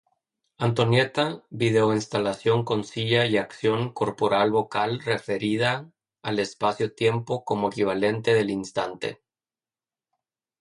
Antonieta, video-instalación con silla y acción corporal-vocal referida al espacio-tiempo como equivalente del instante.